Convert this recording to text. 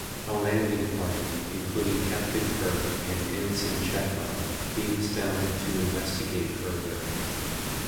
A landing party, including Captain Kirk and Ensign Chekov, beams down to investigate further.